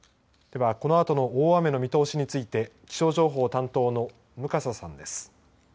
ではこのあとの大雨の見通しについて気象情報担当の向笠さんです。